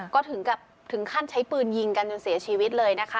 ก็ถึงกับถึงขั้นใช้ปืนยิงกันจนเสียชีวิตเลยนะคะ